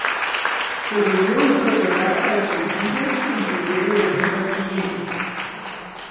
Se volvió a incorporar a la plantilla en febrero del año siguiente.